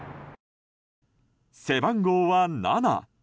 背番号は７。